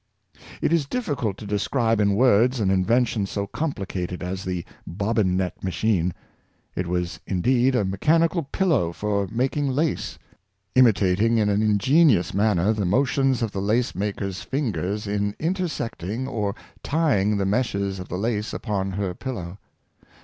It is difficult to describe in words an invention so com plicated as the bobbin net machine. , It was indeed a mechanical pillow for making lace; imitating in an in genious manner the motions of the lace maker's fingers in intersecting or tying the meshes of the lace upon her pillow.